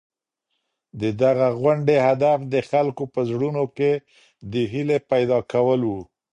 د دغي غونډې هدف د خلکو په زړونو کي د هیلې پیدا کول وو.